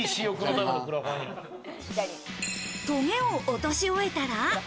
トゲを落とし終えたら。